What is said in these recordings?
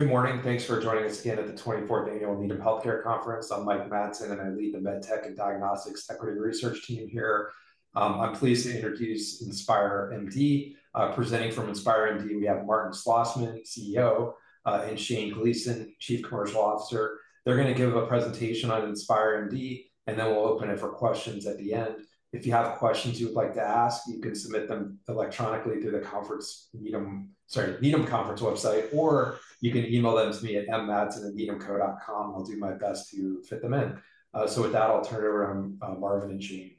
Good morning. Thanks for joining us again at the 24th Annual Needham Healthcare Conference. I'm Mike Matson, and I lead the MedTech and Diagnostics Equity Research team here. I'm pleased to introduce InspireMD. Presenting from InspireMD, we have Marvin Slosman, CEO, and Shane Gleason, Chief Commercial Officer. They're going to give a presentation on InspireMD, and then we'll open it for questions at the end. If you have questions you would like to ask, you can submit them electronically through the Needham Conference website, or you can email them to me at mmatson@needhamco.com. I'll do my best to fit them in. With that, I'll turn it over to Marvin and Shane.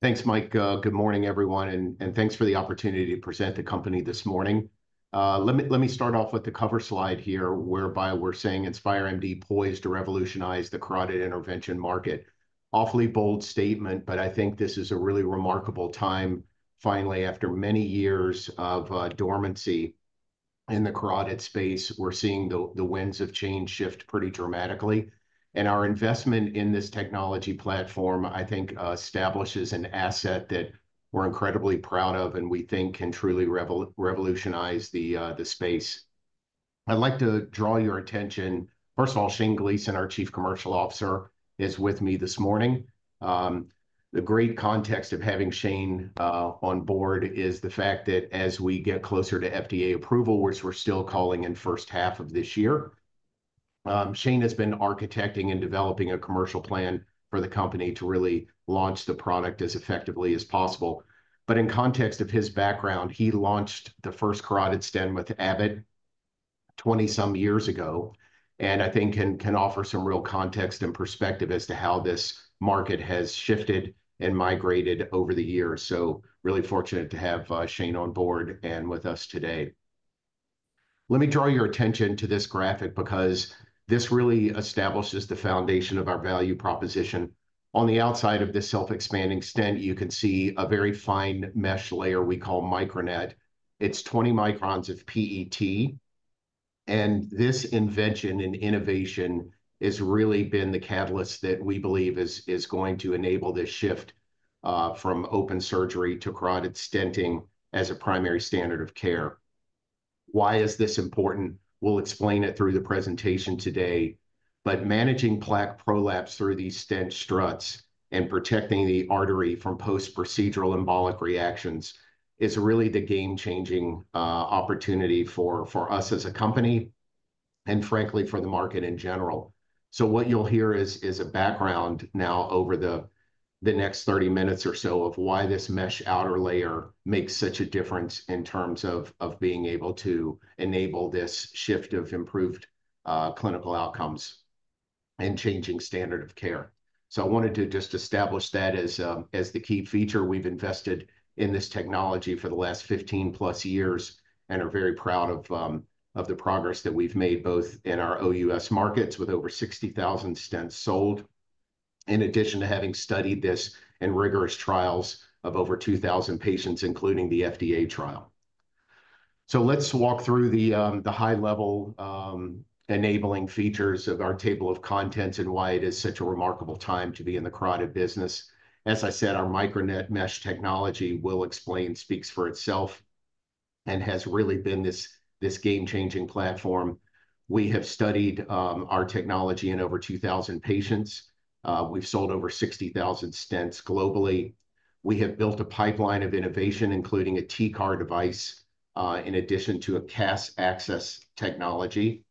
Thanks, Mike. Good morning, everyone, and thanks for the opportunity to present the company this morning. Let me start off with the cover slide here, whereby we're saying InspireMD poised to revolutionize the carotid intervention market. Awfully bold statement, but I think this is a really remarkable time. Finally, after many years of dormancy in the carotid space, we're seeing the winds of change shift pretty dramatically. Our investment in this technology platform, I think, establishes an asset that we're incredibly proud of and we think can truly revolutionize the space. I'd like to draw your attention. First of all, Shane Gleason, our Chief Commercial Officer, is with me this morning. The great context of having Shane on board is the fact that as we get closer to FDA approval, which we're still calling in the first half of this year, Shane has been architecting and developing a commercial plan for the company to really launch the product as effectively as possible. In context of his background, he launched the first carotid stent with Avid 20-some years ago, and I think can offer some real context and perspective as to how this market has shifted and migrated over the years. Really fortunate to have Shane on board and with us today. Let me draw your attention to this graphic because this really establishes the foundation of our value proposition. On the outside of this self-expanding stent, you can see a very fine mesh layer we call MicroNet. It's 20 microns of PET, and this invention and innovation has really been the catalyst that we believe is going to enable this shift from open surgery to carotid stenting as a primary standard of care. Why is this important? We will explain it through the presentation today. Managing plaque prolapse through these stent struts and protecting the artery from post-procedural embolic reactions is really the game-changing opportunity for us as a company and, frankly, for the market in general. What you will hear is a background now over the next 30 minutes or so of why this mesh outer layer makes such a difference in terms of being able to enable this shift of improved clinical outcomes and changing standard of care. I wanted to just establish that as the key feature. We've invested in this technology for the last 15+ years and are very proud of the progress that we've made, both in our OUS markets with over 60,000 stents sold, in addition to having studied this in rigorous trials of over 2,000 patients, including the FDA trial. Let's walk through the high-level enabling features of our table of contents and why it is such a remarkable time to be in the carotid business. As I said, our MicroNet mesh technology, Will explained, speaks for itself and has really been this game-changing platform. We have studied our technology in over 2,000 patients. We've sold over 60,000 stents globally. We have built a pipeline of innovation, including a TCAR device in addition to a CAS access technology,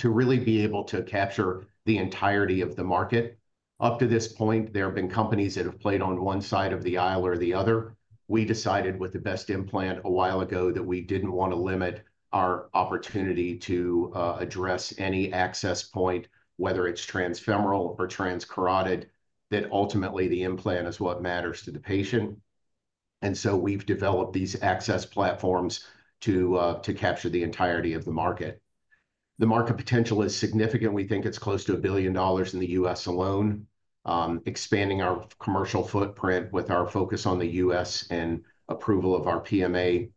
to really be able to capture the entirety of the market. Up to this point, there have been companies that have played on one side of the aisle or the other. We decided with the best implant a while ago that we didn't want to limit our opportunity to address any access point, whether it's transfemoral or transcarotid, that ultimately the implant is what matters to the patient. We have developed these access platforms to capture the entirety of the market. The market potential is significant. We think it's close to $1 billion in the U.S. alone. Expanding our commercial footprint with our focus on the U.S. and approval of our PMA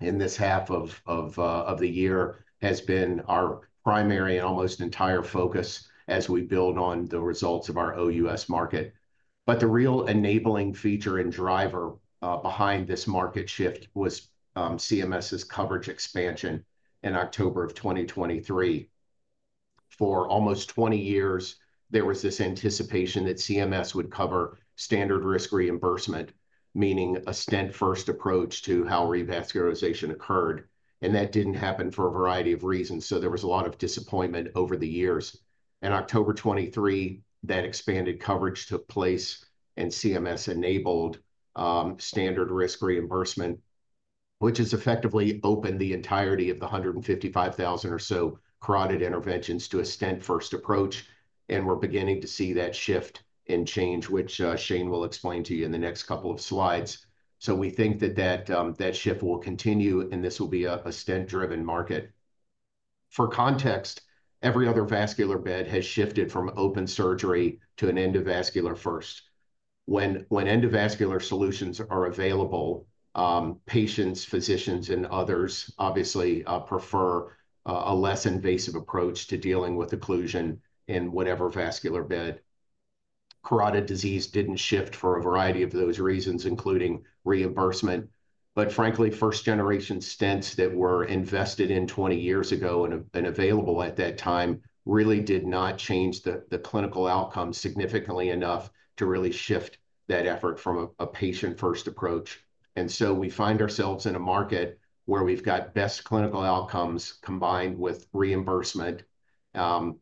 in this half of the year has been our primary and almost entire focus as we build on the results of our OUS market. The real enabling feature and driver behind this market shift was CMS' coverage expansion in October of 2023. For almost 20 years, there was this anticipation that CMS would cover standard risk reimbursement, meaning a stent first approach to how revascularization occurred. That did not happen for a variety of reasons. There was a lot of disappointment over the years. In October 2023, that expanded coverage took place, and CMS enabled standard risk reimbursement, which has effectively opened the entirety of the 155,000 or so carotid interventions to a stent-first approach. We are beginning to see that shift and change, which Shane will explain to you in the next couple of slides. We think that shift will continue, and this will be a stent-driven market. For context, every other vascular bed has shifted from open surgery to an endovascular first. When endovascular solutions are available, patients, physicians, and others obviously prefer a less invasive approach to dealing with occlusion in whatever vascular bed. Carotid disease did not shift for a variety of those reasons, including reimbursement. Frankly, first-generation stents that were invested in 20 years ago and available at that time really did not change the clinical outcome significantly enough to really shift that effort from a patient-first approach. We find ourselves in a market where we have best clinical outcomes combined with reimbursement and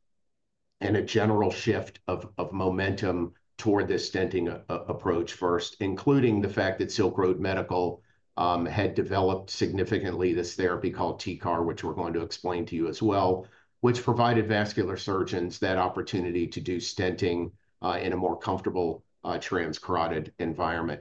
a general shift of momentum toward this stenting approach first, including the fact that Silk Road Medical had developed significantly this therapy called TCAR, which we are going to explain to you as well, which provided vascular surgeons that opportunity to do stenting in a more comfortable transcarotid environment.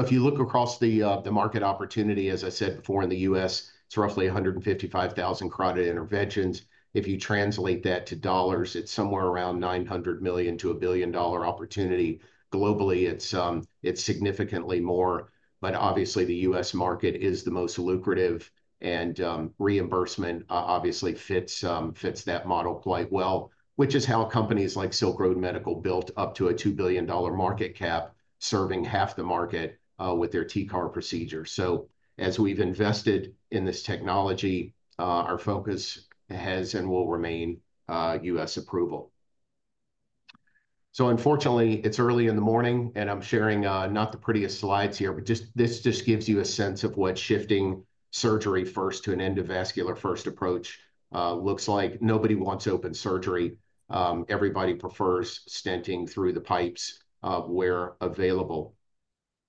If you look across the market opportunity, as I said before, in the U.S., it is roughly 155,000 carotid interventions. If you translate that to dollars, it is somewhere around $900 million to $1 billion opportunity. Globally, it's significantly more. Obviously, the U.S. market is the most lucrative, and reimbursement obviously fits that model quite well, which is how companies like Silk Road Medical built up to a $2 billion market cap, serving half the market with their TCAR procedure. As we've invested in this technology, our focus has and will remain U.S. approval. Unfortunately, it's early in the morning, and I'm sharing not the prettiest slides here, but this just gives you a sense of what shifting surgery first to an endovascular first approach looks like. Nobody wants open surgery. Everybody prefers stenting through the pipes where available.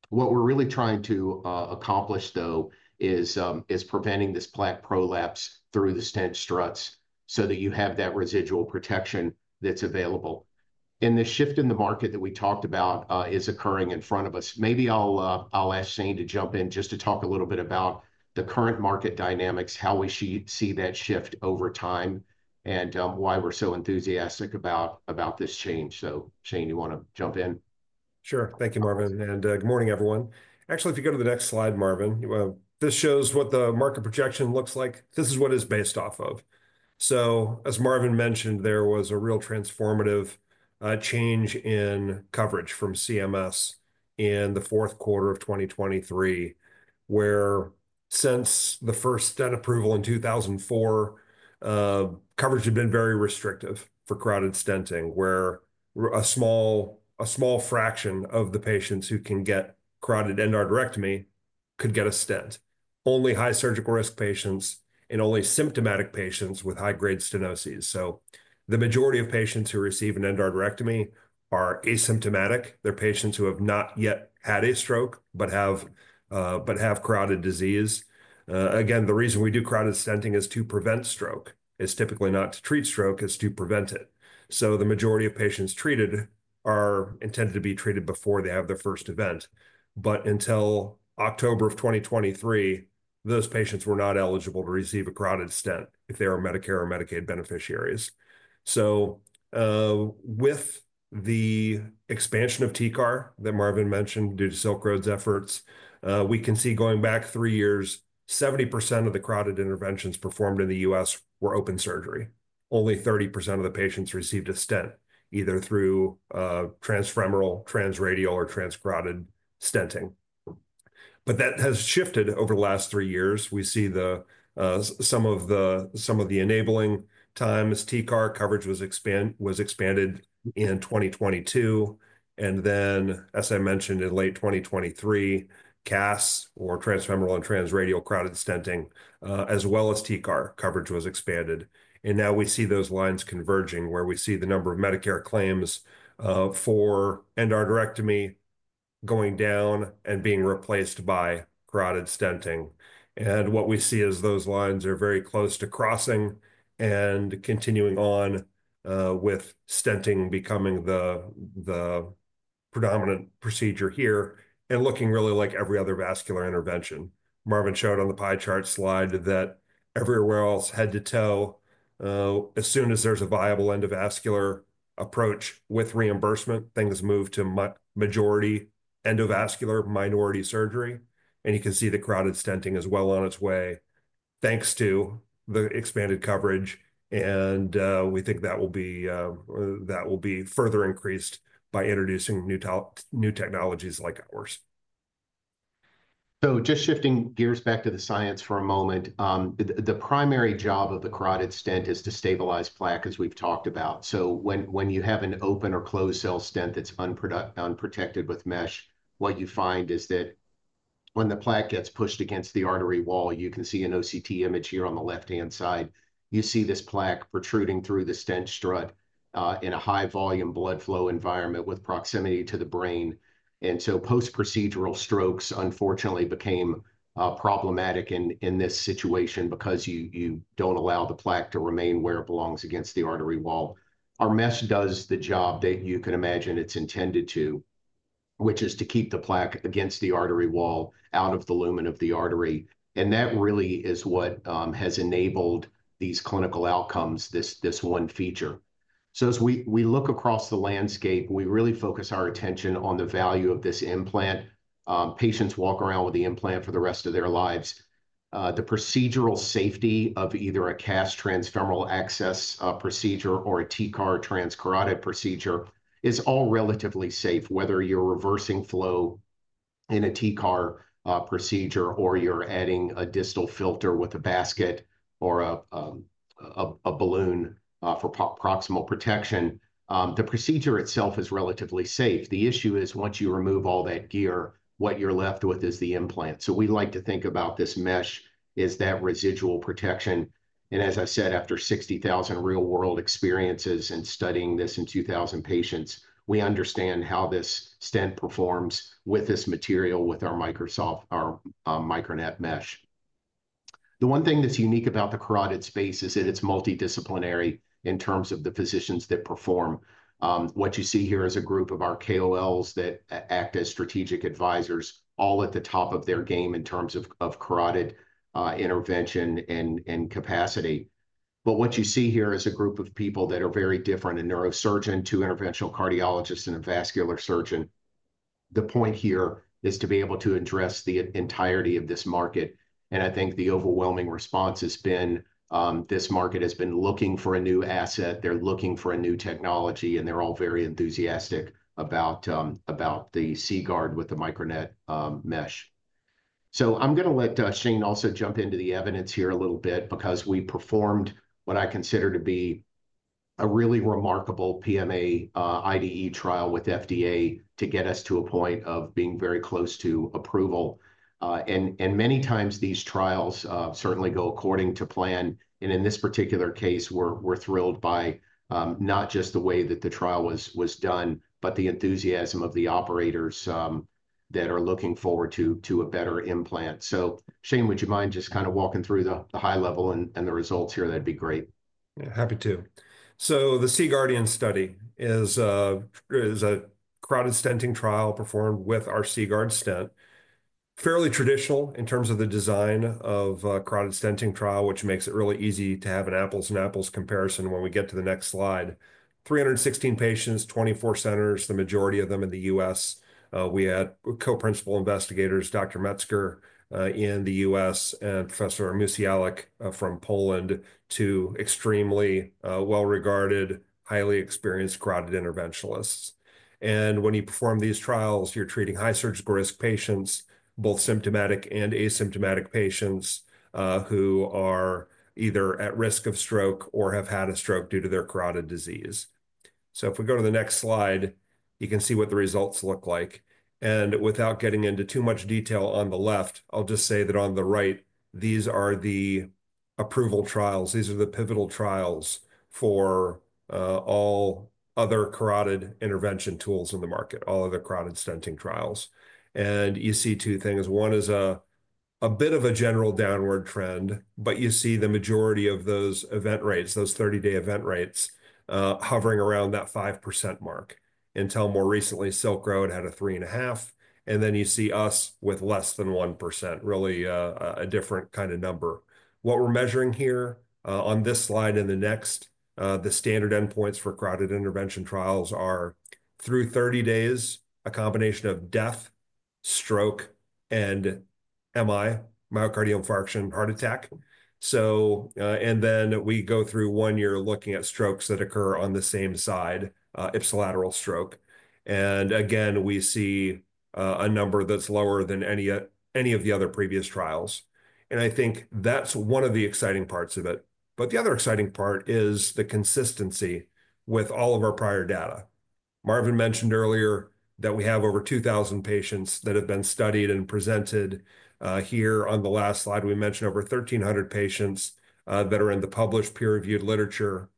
What we're really trying to accomplish, though, is preventing this plaque prolapse through the stent struts so that you have that residual protection that's available. The shift in the market that we talked about is occurring in front of us. Maybe I'll ask Shane to jump in just to talk a little bit about the current market dynamics, how we see that shift over time, and why we're so enthusiastic about this change. Shane, you want to jump in? Sure. Thank you, Marvin. Good morning, everyone. Actually, if you go to the next slide, Marvin, this shows what the market projection looks like. This is what it is based off of. As Marvin mentioned, there was a real transformative change in coverage from CMS in the fourth quarter of 2023, where since the first stent approval in 2004, coverage had been very restrictive for carotid stenting, where a small fraction of the patients who can get carotid endarterectomy could get a stent. Only high surgical risk patients and only symptomatic patients with high-grade stenosis. The majority of patients who receive an endarterectomy are asymptomatic. They are patients who have not yet had a stroke but have carotid disease. Again, the reason we do carotid stenting is to prevent stroke. It is typically not to treat stroke; it is to prevent it. The majority of patients treated are intended to be treated before they have their first event. Until October of 2023, those patients were not eligible to receive a carotid stent if they were Medicare or Medicaid beneficiaries. With the expansion of TCAR that Marvin mentioned due to Silk Road's efforts, we can see going back three years, 70% of the carotid interventions performed in the U.S. were open surgery. Only 30% of the patients received a stent either through transfemoral, transradial, or transcarotid stenting. That has shifted over the last three years. We see some of the enabling time as TCAR coverage was expanded in 2022. As I mentioned, in late 2023, CAS, or transfemoral and transradial carotid stenting, as well as TCAR coverage, was expanded. We see those lines converging where we see the number of Medicare claims for endarterectomy going down and being replaced by carotid stenting. What we see is those lines are very close to crossing and continuing on with stenting becoming the predominant procedure here and looking really like every other vascular intervention. Marvin showed on the pie chart slide that everywhere else, head to toe, as soon as there's a viable endovascular approach with reimbursement, things move to majority endovascular, minority surgery. You can see the carotid stenting as well on its way thanks to the expanded coverage. We think that will be further increased by introducing new technologies like ours. Just shifting gears back to the science for a moment, the primary job of the carotid stent is to stabilize plaque, as we've talked about. When you have an open or closed-cell stent that's unprotected with mesh, what you find is that when the plaque gets pushed against the artery wall, you can see an OCT image here on the left-hand side. You see this plaque protruding through the stent strut in a high-volume blood flow environment with proximity to the brain. Post-procedural strokes, unfortunately, became problematic in this situation because you don't allow the plaque to remain where it belongs against the artery wall. Our mesh does the job that you can imagine it's intended to, which is to keep the plaque against the artery wall out of the lumen of the artery. That really is what has enabled these clinical outcomes, this one feature. As we look across the landscape, we really focus our attention on the value of this implant. Patients walk around with the implant for the rest of their lives. The procedural safety of either a CAS transfemoral access procedure or a TCAR transcarotid procedure is all relatively safe, whether you're reversing flow in a TCAR procedure or you're adding a distal filter with a basket or a balloon for proximal protection. The procedure itself is relatively safe. The issue is once you remove all that gear, what you're left with is the implant. We like to think about this mesh as that residual protection. As I said, after 60,000 real-world experiences and studying this in 2,000 patients, we understand how this stent performs with this material with our MicroNet mesh. The one thing that's unique about the carotid space is that it's multidisciplinary in terms of the physicians that perform. What you see here is a group of our KOLs that act as strategic advisors, all at the top of their game in terms of carotid intervention and capacity. What you see here is a group of people that are very different, a neurosurgeon, two interventional cardiologists, and a vascular surgeon. The point here is to be able to address the entirety of this market. I think the overwhelming response has been this market has been looking for a new asset. They're looking for a new technology, and they're all very enthusiastic about the CGuard with the MicroNet mesh. I'm going to let Shane also jump into the evidence here a little bit because we performed what I consider to be a really remarkable PMA IDE trial with FDA to get us to a point of being very close to approval. Many times, these trials certainly go according to plan. In this particular case, we're thrilled by not just the way that the trial was done, but the enthusiasm of the operators that are looking forward to a better implant. Shane, would you mind just kind of walking through the high level and the results here? That'd be great. Yeah, happy to. The CGuardians study is a carotid stenting trial performed with our CGuard stent. Fairly traditional in terms of the design of a carotid stenting trial, which makes it really easy to have an apples to apples comparison when we get to the next slide. 316 patients, 24 centers, the majority of them in the U.S. We had co-principal investigators, Dr. Metzger in the U.S. and Professor Musialek from Poland, two extremely well-regarded, highly experienced carotid interventionalists. When you perform these trials, you're treating high surgical risk patients, both symptomatic and asymptomatic patients who are either at risk of stroke or have had a stroke due to their carotid disease. If we go to the next slide, you can see what the results look like. Without getting into too much detail on the left, I'll just say that on the right, these are the approval trials. These are the pivotal trials for all other carotid intervention tools in the market, all other carotid stenting trials. You see two things. One is a bit of a general downward trend, but you see the majority of those event rates, those 30-day event rates, hovering around that 5% mark. Until more recently, Silk Road had a 3.5%. You see us with less than 1%, really a different kind of number. What we're measuring here on this slide and the next, the standard endpoints for carotid intervention trials are through 30 days, a combination of death, stroke, and MI, myocardial infarction, heart attack. We go through one year looking at strokes that occur on the same side, ipsilateral stroke. Again, we see a number that's lower than any of the other previous trials. I think that's one of the exciting parts of it. The other exciting part is the consistency with all of our prior data. Marvin mentioned earlier that we have over 2,000 patients that have been studied and presented. Here on the last slide, we mentioned over 1,300 patients that are in the published peer-reviewed literature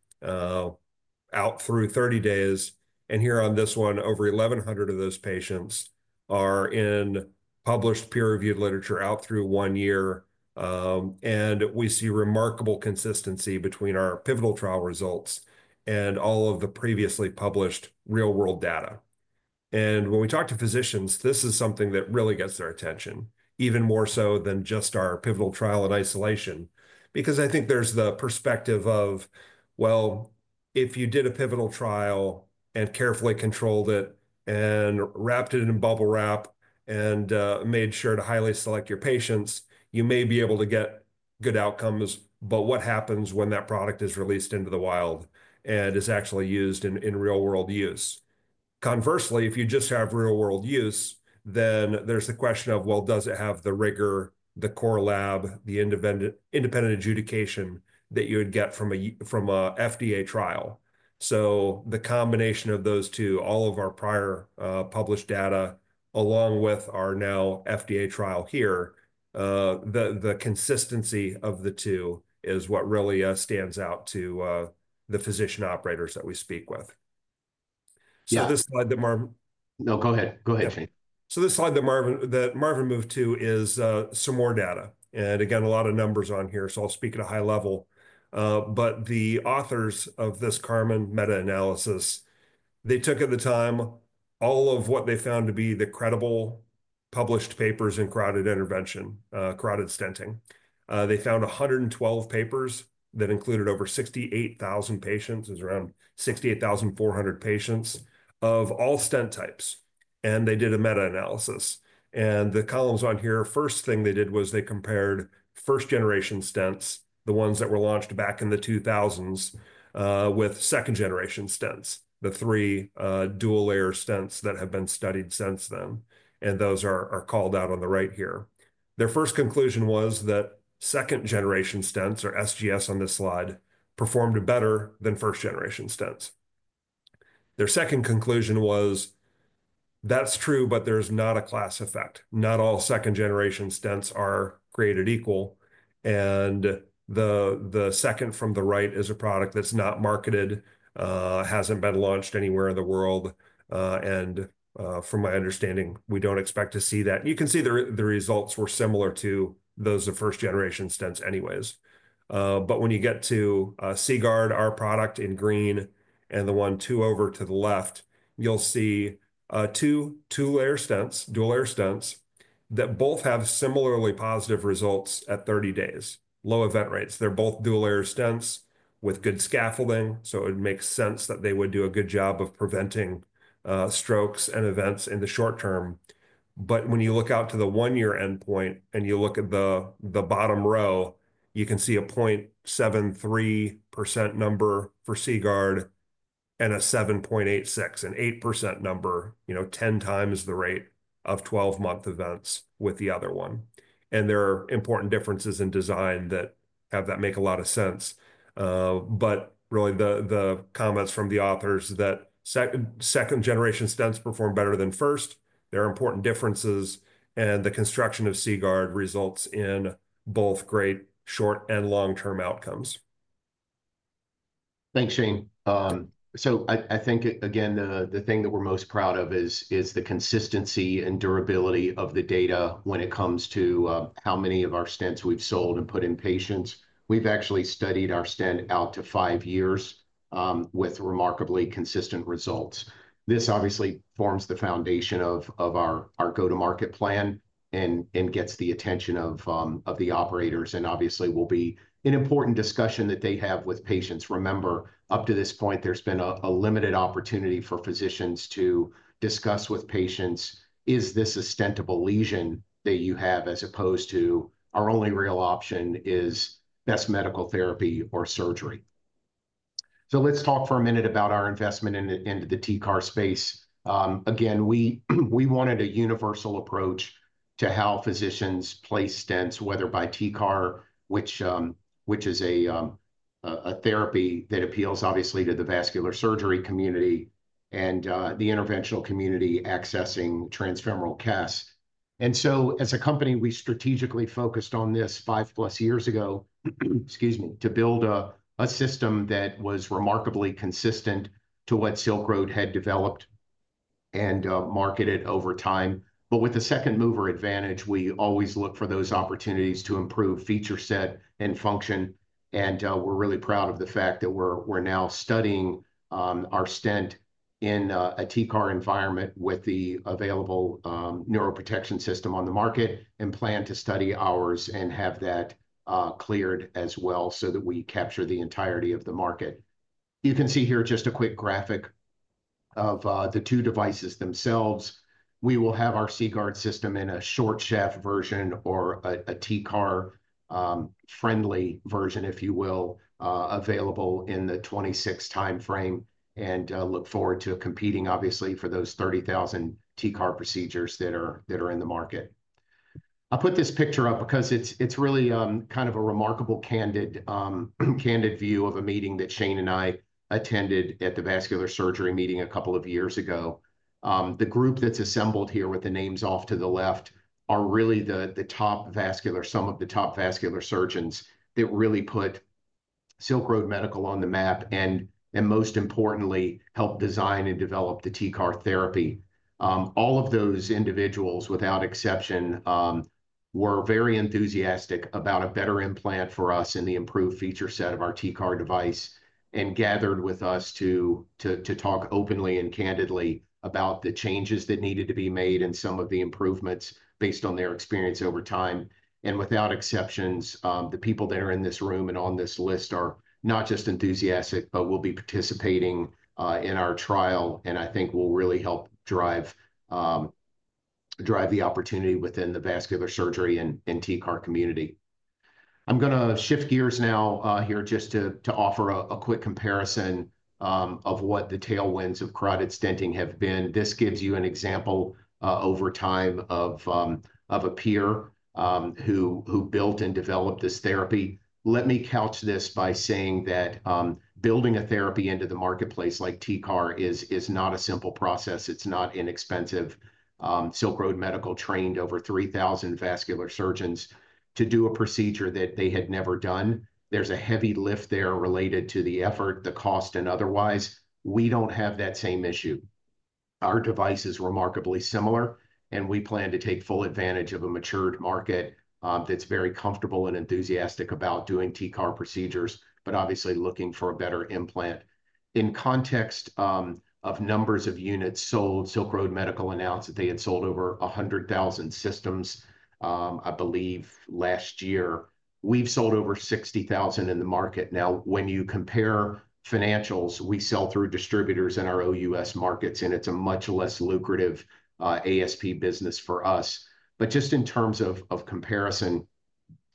out through 30 days. Here on this one, over 1,100 of those patients are in published peer-reviewed literature out through one year. We see remarkable consistency between our pivotal trial results and all of the previously published real-world data. When we talk to physicians, this is something that really gets their attention, even more so than just our pivotal trial in isolation, because I think there's the perspective of, well, if you did a pivotal trial and carefully controlled it and wrapped it in bubble wrap and made sure to highly select your patients, you may be able to get good outcomes. What happens when that product is released into the wild and is actually used in real-world use? Conversely, if you just have real-world use, then there's the question of, well, does it have the rigor, the core lab, the independent adjudication that you would get from an FDA trial? The combination of those two, all of our prior published data along with our now FDA trial here, the consistency of the two is what really stands out to the physician operators that we speak with. This slide that Marvin. No, go ahead. Go ahead, Shane. This slide that Marvin moved to is some more data. Again, a lot of numbers on here, so I'll speak at a high level. The authors of this Karman meta-analysis, they took at the time all of what they found to be the credible published papers in carotid intervention, carotid stenting. They found 112 papers that included over 68,000 patients. There's around 68,400 patients of all stent types. They did a meta-analysis. The columns on here, first thing they did was they compared first-generation stents, the ones that were launched back in the 2000s, with second-generation stents, the three dual-layer stents that have been studied since then. Those are called out on the right here. Their first conclusion was that second-generation stents, or SGS on this slide, performed better than first-generation stents. Their second conclusion was, that's true, but there's not a class effect. Not all second-generation stents are created equal. The second from the right is a product that's not marketed, hasn't been launched anywhere in the world. From my understanding, we don't expect to see that. You can see the results were similar to those of first-generation stents anyways. When you get to CGuard, our product in green, and the one two over to the left, you'll see two dual-layer stents that both have similarly positive results at 30 days, low event rates. They're both dual-layer stents with good scaffolding, so it makes sense that they would do a good job of preventing strokes and events in the short-term. When you look out to the one-year endpoint and you look at the bottom row, you can see a 0.73% number for CGuard and a 7.86% and 8% number, 10 times the rate of 12-month events with the other one. There are important differences in design that make a lot of sense. Really, the comments from the authors that second-generation stents perform better than first, there are important differences. The construction of CGuard results in both great short and long-term outcomes. Thanks, Shane. I think, again, the thing that we're most proud of is the consistency and durability of the data when it comes to how many of our stents we've sold and put in patients. We've actually studied our stent out to five years with remarkably consistent results. This obviously forms the foundation of our go-to-market plan and gets the attention of the operators. It obviously will be an important discussion that they have with patients. Remember, up to this point, there's been a limited opportunity for physicians to discuss with patients, is this a stentable lesion that you have as opposed to our only real option is best medical therapy or surgery. Let's talk for a minute about our investment into the TCAR space. Again, we wanted a universal approach to how physicians place stents, whether by TCAR, which is a therapy that appeals, obviously, to the vascular surgery community and the interventional community accessing transfemoral CAS. As a company, we strategically focused on this five plus years ago, excuse me, to build a system that was remarkably consistent to what Silk Road had developed and marketed over time. With the second-mover advantage, we always look for those opportunities to improve feature set and function. We are really proud of the fact that we are now studying our stent in a TCAR environment with the available neuroprotection system on the market and plan to study ours and have that cleared as well so that we capture the entirety of the market. You can see here just a quick graphic of the two devices themselves. We will have our CGuard system in a short-shaft version or a TCAR-friendly version, if you will, available in the 2026 timeframe. I look forward to competing, obviously, for those 30,000 TCAR procedures that are in the market. I put this picture up because it is really kind of a remarkable, candid view of a meeting that Shane and I attended at the vascular surgery meeting a couple of years ago. The group that is assembled here with the names off to the left are really the top vascular, some of the top vascular surgeons that really put Silk Road Medical on the map and, most importantly, helped design and develop the TCAR therapy. All of those individuals, without exception, were very enthusiastic about a better implant for us and the improved feature set of our TCAR device and gathered with us to talk openly and candidly about the changes that needed to be made and some of the improvements based on their experience over time. Without exceptions, the people that are in this room and on this list are not just enthusiastic, but will be participating in our trial. I think will really help drive the opportunity within the vascular surgery and TCAR community. I'm going to shift gears now here just to offer a quick comparison of what the tailwinds of carotid stenting have been. This gives you an example over time of a peer who built and developed this therapy. Let me couch this by saying that building a therapy into the marketplace like TCAR is not a simple process. It's not inexpensive. Silk Road Medical trained over 3,000 vascular surgeons to do a procedure that they had never done. There's a heavy lift there related to the effort, the cost, and otherwise. We don't have that same issue. Our device is remarkably similar, and we plan to take full advantage of a matured market that's very comfortable and enthusiastic about doing TCAR procedures, but obviously looking for a better implant. In context of numbers of units sold, Silk Road Medical announced that they had sold over 100,000 systems, I believe, last year. We've sold over 60,000 in the market. Now, when you compare financials, we sell through distributors in our OUS markets, and it's a much less lucrative ASP business for us. Just in terms of comparison,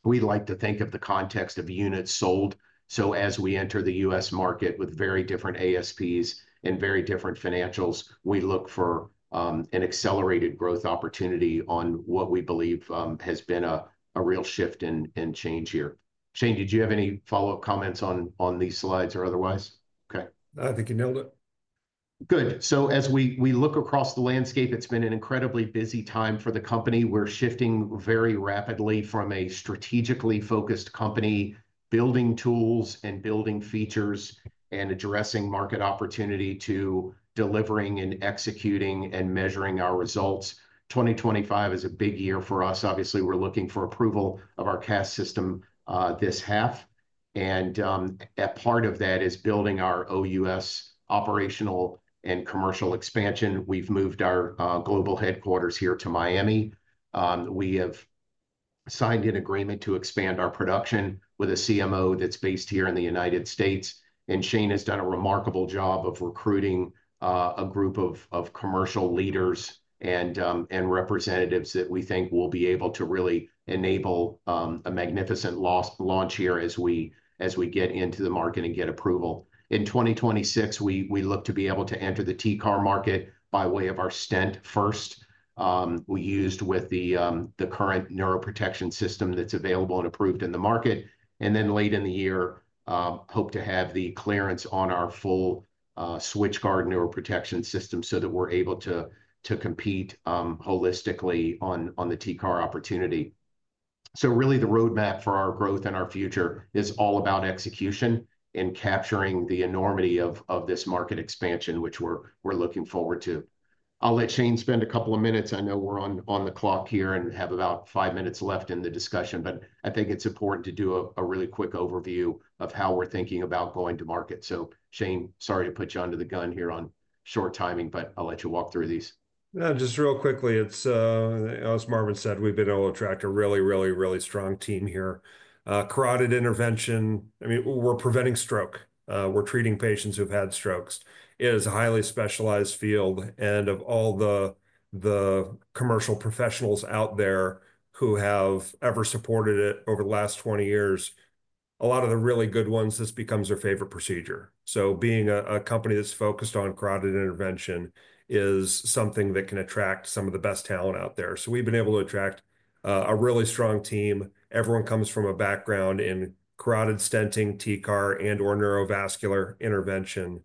we like to think of the context of units sold. As we enter the U.S. market with very different ASPs and very different financials, we look for an accelerated growth opportunity on what we believe has been a real shift and change here. Shane, did you have any follow-up comments on these slides or otherwise? Okay. I think you nailed it. Good. As we look across the landscape, it's been an incredibly busy time for the company. We're shifting very rapidly from a strategically focused company, building tools and building features and addressing market opportunity to delivering and executing and measuring our results. 2025 is a big year for us. Obviously, we're looking for approval of our CAS system this half. A part of that is building our OUS operational and commercial expansion. We've moved our global headquarters here to Miami. We have signed an agreement to expand our production with a CMO that's based here in the United States. Shane has done a remarkable job of recruiting a group of commercial leaders and representatives that we think will be able to really enable a magnificent launch here as we get into the market and get approval. In 2026, we look to be able to enter the TCAR market by way of our stent first we used with the current neuroprotection system that's available and approved in the market. Late in the year, hope to have the clearance on our full SwitchGuard neuroprotection system so that we're able to compete holistically on the TCAR opportunity. Really, the roadmap for our growth and our future is all about execution and capturing the enormity of this market expansion, which we're looking forward to. I'll let Shane spend a couple of minutes. I know we're on the clock here and have about five minutes left in the discussion, but I think it's important to do a really quick overview of how we're thinking about going to market. Shane, sorry to put you under the gun here on short timing, but I'll let you walk through these. Just real quickly, as Marvin said, we've been able to attract a really, really strong team here. Carotid intervention, I mean, we're preventing stroke. We're treating patients who've had strokes. It is a highly specialized field. Of all the commercial professionals out there who have ever supported it over the last 20 years, a lot of the really good ones, this becomes their favorite procedure. Being a company that's focused on carotid intervention is something that can attract some of the best talent out there. We've been able to attract a really strong team. Everyone comes from a background in carotid stenting, TCAR, and/or neurovascular intervention.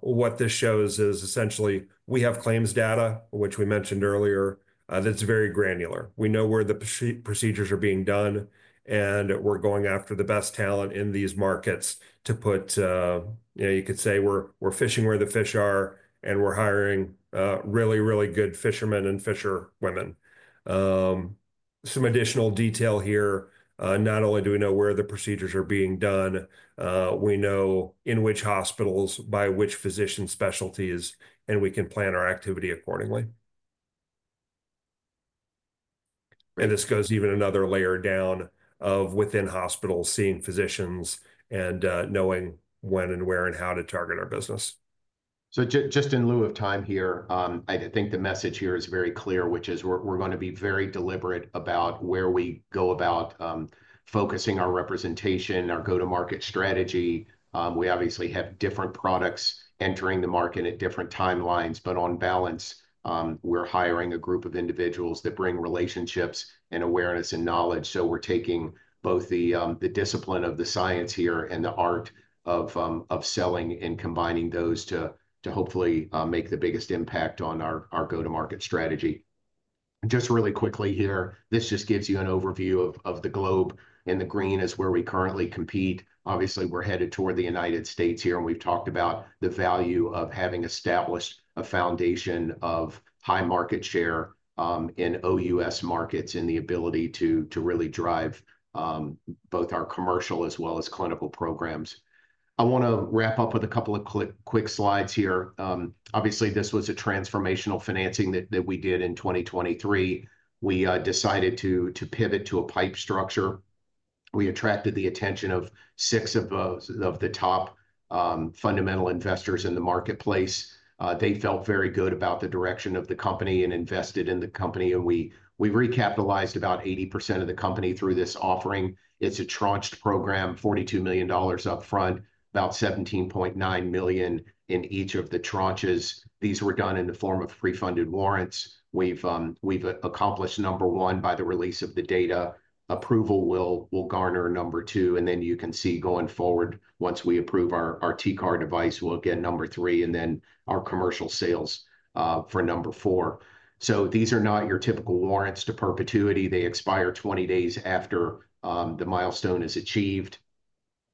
What this shows is essentially we have claims data, which we mentioned earlier, that's very granular. We know where the procedures are being done, and we're going after the best talent in these markets to put, you could say, we're fishing where the fish are, and we're hiring really, really good fishermen and fisherwomen. Some additional detail here, not only do we know where the procedures are being done, we know in which hospitals, by which physician specialties, and we can plan our activity accordingly. This goes even another layer down of within hospitals seeing physicians and knowing when and where and how to target our business. Just in lieu of time here, I think the message here is very clear, which is we're going to be very deliberate about where we go about focusing our representation, our go-to-market strategy. We obviously have different products entering the market at different timelines, but on balance, we're hiring a group of individuals that bring relationships and awareness and knowledge. We're taking both the discipline of the science here and the art of selling and combining those to hopefully make the biggest impact on our go-to-market strategy. Just really quickly here, this just gives you an overview of the globe. In the green is where we currently compete. Obviously, we're headed toward the United States here, and we've talked about the value of having established a foundation of high market share in OUS markets and the ability to really drive both our commercial as well as clinical programs. I want to wrap up with a couple of quick slides here. Obviously, this was a transformational financing that we did in 2023. We decided to pivot to a pipe structure. We attracted the attention of six of the top fundamental investors in the marketplace. They felt very good about the direction of the company and invested in the company. We recapitalized about 80% of the company through this offering. It's a tranched program, $42 million upfront, about $17.9 million in each of the tranches. These were done in the form of pre-funded warrants. We've accomplished number one by the release of the data. Approval will garner number two. You can see going forward, once we approve our TCAR device, we'll get number three, and then our commercial sales for number four. These are not your typical warrants to perpetuity. They expire 20 days after the milestone is achieved.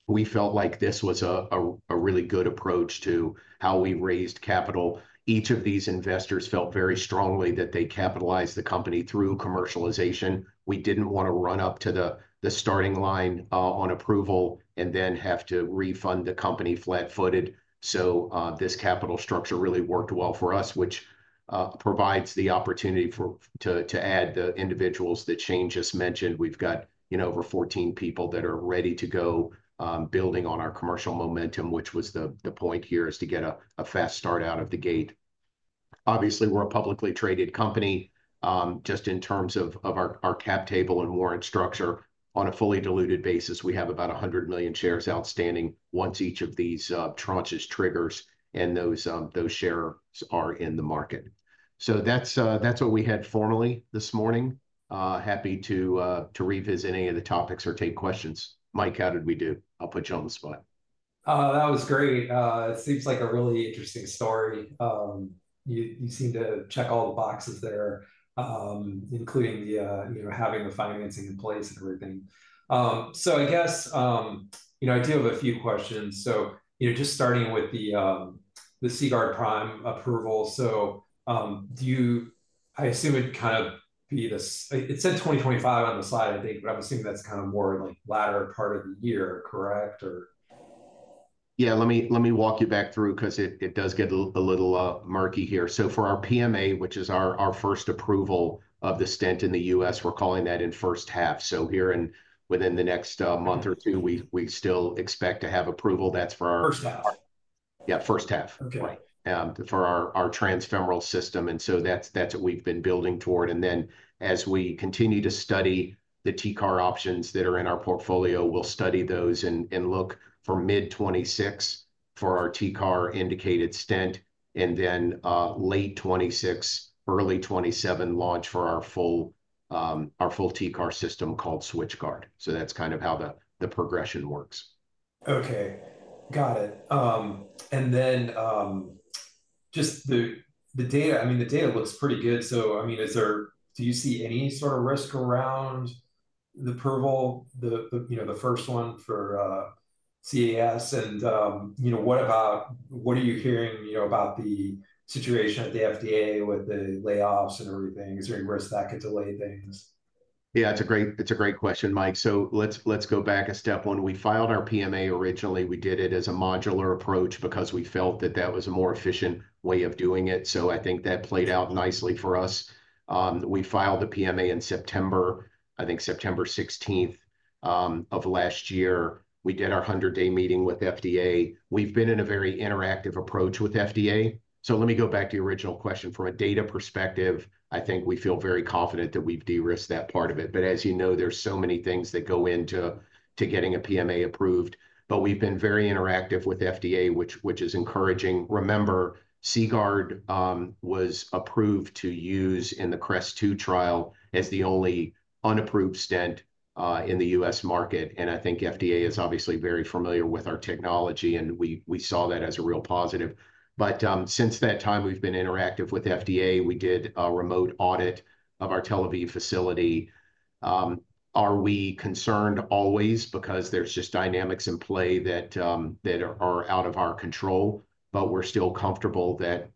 We felt like this was a really good approach to how we raised capital. Each of these investors felt very strongly that they capitalized the company through commercialization. We did not want to run up to the starting line on approval and then have to refund the company flat-footed. This capital structure really worked well for us, which provides the opportunity to add the individuals that Shane just mentioned. We have got over 14 people that are ready to go building on our commercial momentum, which was the point here is to get a fast start out of the gate. Obviously, we are a publicly traded company. Just in terms of our cap table and warrant structure, on a fully diluted basis, we have about 100 million shares outstanding once each of these tranches triggers, and those shares are in the market. That's what we had formally this morning. Happy to revisit any of the topics or take questions. Mike, how did we do? I'll put you on the spot. That was great. It seems like a really interesting story. You seem to check all the boxes there, including having the financing in place and everything. I guess I do have a few questions. Just starting with the CGuard Prime approval. I assume it'd kind of be the, it said 2025 on the slide, I think, but I'm assuming that's kind of more like latter part of the year, correct? Yeah. Let me walk you back through because it does get a little murky here. For our PMA, which is our first approval of the stent in the U.S., we're calling that in first half. Here within the next month or two, we still expect to have approval. That's for our. First half. Yeah, first half. Okay. For our transfemoral system. That is what we've been building toward. As we continue to study the TCAR options that are in our portfolio, we'll study those and look for mid-2026 for our TCAR indicated stent, and then late 2026, early 2027 launch for our full TCAR system called SwitchGuard. That is kind of how the progression works. Okay. Got it. And then just the data, I mean, the data looks pretty good. I mean, do you see any sort of risk around the approval, the first one for CAS? What are you hearing about the situation at the FDA with the layoffs and everything? Is there any risk that could delay things? Yeah, it's a great question, Mike. Let's go back a step. When we filed our PMA originally, we did it as a modular approach because we felt that that was a more efficient way of doing it. I think that played out nicely for us. We filed the PMA in September, I think September 16th of last year. We did our 100-day meeting with FDA. We've been in a very interactive approach with FDA. Let me go back to your original question. From a data perspective, I think we feel very confident that we've de-risked that part of it. As you know, there are so many things that go into getting a PMA approved. We've been very interactive with FDA, which is encouraging. Remember, CGuard was approved to use in the CREST-2 trial as the only unapproved stent in the U.S. market. I think FDA is obviously very familiar with our technology, and we saw that as a real positive. Since that time, we've been interactive with FDA. We did a remote audit of our Tel Aviv facility. Are we concerned always because there's just dynamics in play that are out of our control, but we're still comfortable that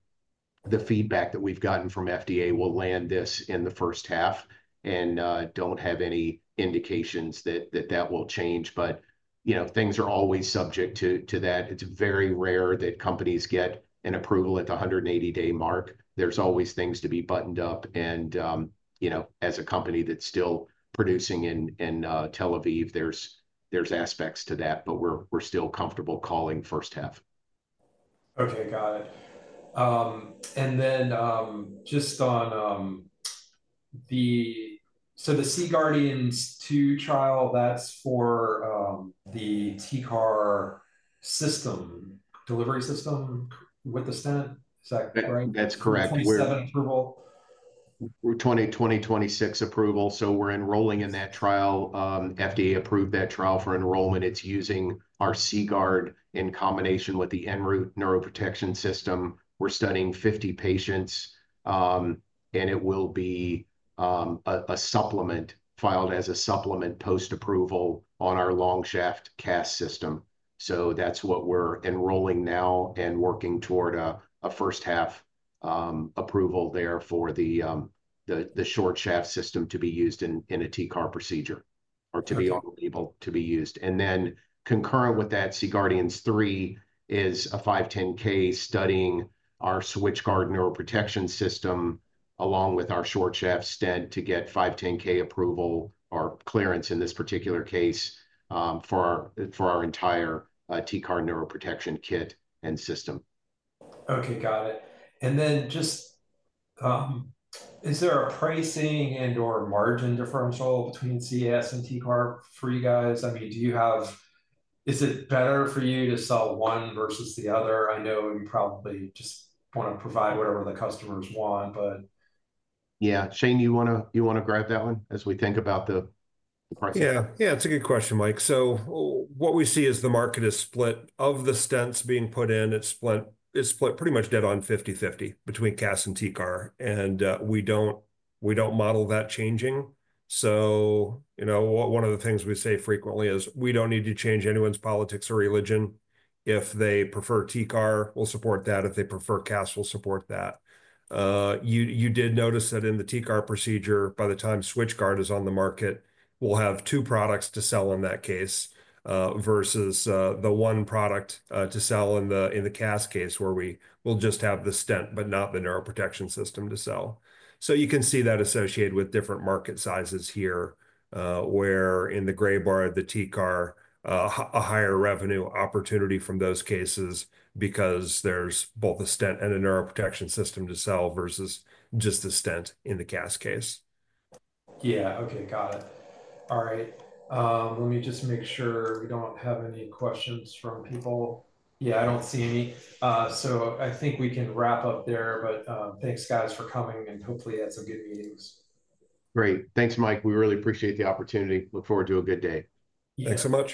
the feedback that we've gotten from FDA will land this in the first half and don't have any indications that that will change? Things are always subject to that. It's very rare that companies get an approval at the 180-day mark. There's always things to be buttoned up. As a company that's still producing in Tel Aviv, there's aspects to that, but we're still comfortable calling first half. Okay. Got it. Just on the CGuardians two trial, that's for the TCAR system, delivery system with the stent. Is that right? That's correct. 2027 approval? 2026 approval. We're enrolling in that trial. FDA approved that trial for enrollment. It's using our CGuard in combination with the EnRoute neuroprotection system. We're studying 50 patients, and it will be filed as a supplement post-approval on our long-shaft CAS system. That's what we're enrolling now and working toward a first-half approval there for the short-shaft system to be used in a TCAR procedure or to be able to be used. Concurrent with that, CGuardians three is a 510(k) studying our SwitchGuard neuroprotection system along with our short-shaft stent to get 510(k) approval or clearance in this particular case for our entire TCAR neuroprotection kit and system. Okay. Got it. Is there a pricing and/or margin differential between CAS and TCAR for you guys? I mean, do you have, is it better for you to sell one versus the other? I know you probably just want to provide whatever the customers want, but. Yeah. Shane, you want to grab that one as we think about the pricing? Yeah. Yeah. It's a good question, Mike. What we see is the market is split of the stents being put in. It's split pretty much dead on 50/50 between CAS and TCAR. We don't model that changing. One of the things we say frequently is we don't need to change anyone's politics or religion. If they prefer TCAR, we'll support that. If they prefer CAS, we'll support that. You did notice that in the TCAR procedure, by the time SwitchGuard is on the market, we'll have two products to sell in that case versus the one product to sell in the CAS case where we will just have the stent but not the neuroprotection system to sell. You can see that associated with different market sizes here where in the gray bar, the TCAR, a higher revenue opportunity from those cases because there is both a stent and a neuroprotection system to sell versus just a stent in the CAS case. Yeah. Okay. Got it. All right. Let me just make sure we do not have any questions from people. Yeah, I do not see any. I think we can wrap up there, but thanks, guys, for coming, and hopefully you had some good meetings. Great. Thanks, Mike. We really appreciate the opportunity. Look forward to a good day. Thanks so much.